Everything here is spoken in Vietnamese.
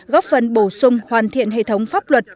góp phần bổ sung hoàn thiện hệ thống pháp luật